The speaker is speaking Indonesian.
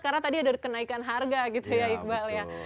karena tadi ada kenaikan harga gitu ya iqbal ya